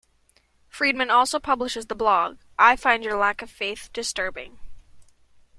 Friedman also publishes the blog "I Find Your Lack of Faith Disturbing".